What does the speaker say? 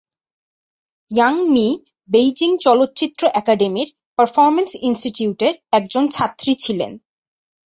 Young Mi Beijing চলচ্চিত্র একাডেমীর performance ইন্সটিটিউটের একজন ছাত্রী ছিলেন।